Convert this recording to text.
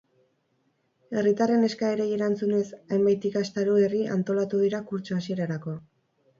Herritarren eskaerei erantzunez, hainbat ikastaro berri antolatu dira kurtso hasierarako.